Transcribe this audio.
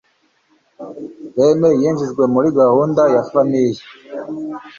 rene yinjijwe muri gahunda ya famiye